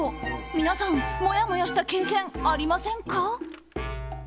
皆さん、もやもやした経験ありませんか？